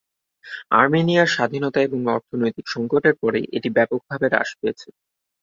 আর্মেনিয়ার স্বাধীনতা এবং অর্থনৈতিক সংকটের পরে, এটি ব্যাপকভাবে হ্রাস পেয়েছে।